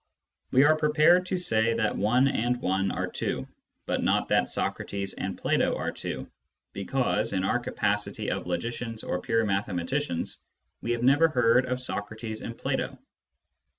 We are prepared to say that one and one are two, but not that Socrates and Plato are' two, because, in our capacity of logicians or pure mathematicians, we have never heard of Socrates and Plato.